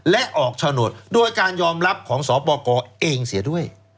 และออกโฉนดโดยการยอมรับของสปกรเองเสียด้วย